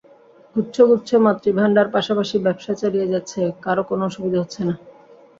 গুচ্ছ গুচ্ছ মাতৃভান্ডার পাশাপাশি ব্যবসা চালিয়ে যাচ্ছে, কারও কোনো অসুবিধা হচ্ছে না।